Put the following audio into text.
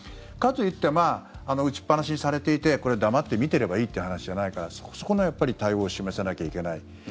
かといって撃ちっぱなしにされていて黙って見ていればいいという話じゃないからそこの、やっぱり対応を示さなきゃいけない。